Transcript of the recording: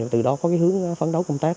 từ đó có cái hướng phấn đấu công tác